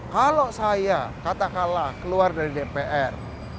kalau saya kata kala keluar dari dpr